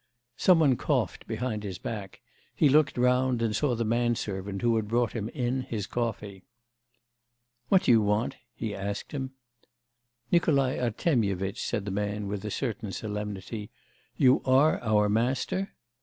Some one coughed behind his back; he looked round and saw the manservant who had brought him in his coffee. 'What do you want?' he asked him. 'Nikolai Artemyevitch,' said the man with a certain solemnity, 'you are our master?